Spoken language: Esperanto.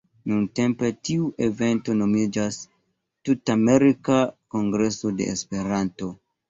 Nuntempe tiu evento nomiĝas "Tut-Amerika Kongreso de Esperanto".